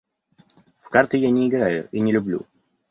В карты я не играю и не люблю